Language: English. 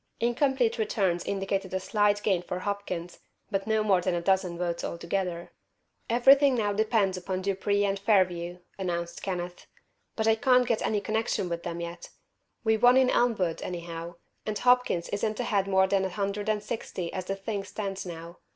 Incomplete returns indicated a slight gain for Hopkins, but not more than a dozen votes altogether. "Everything now depends upon Dupree and Fairview," announced Kenneth, "but I can't get any connection with them yet. We won in Elmwood, anyhow, and Hopkins isn't ahead more than a hundred and sixty as the thing stands now.